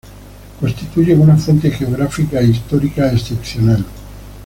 Constituyen una fuente geográfica e histórica excepcional.